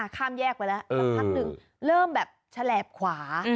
ข้ามแยกไปแล้วสักพักหนึ่งเริ่มแบบฉลบขวา